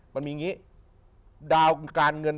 มันมีอย่างนี้ดาวการเงิน